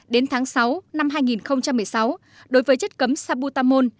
đến tháng sáu năm hai nghìn một mươi sáu đối với chất cấm sabutamol